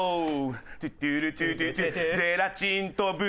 「トゥトゥルトゥトゥトゥ」「ゼラチンとブドウ分かれたね」